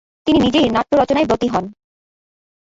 তিনি নিজেই নাট্যরচনায় ব্রতী হন।